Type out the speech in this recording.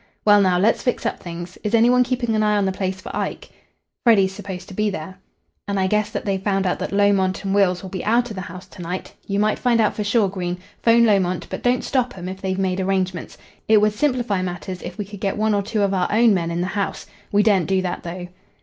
Well now, let's fix up things. Is any one keeping an eye on the place for Ike?" "Freddy's supposed to be there." "And I guess that they've found out that Lomont and Wills will be out of the house to night. You might find out for sure, Green. 'Phone Lomont, but don't stop 'em if they've made arrangements. It would simplify matters if we could get one or two of our own men in the house. We daren't do that, though."